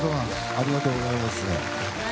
ありがとうございます。